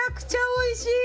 おいしい